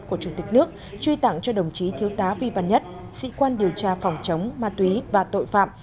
của chủ tịch nước truy tặng cho đồng chí thiếu tá vi văn nhất sĩ quan điều tra phòng chống ma túy và tội phạm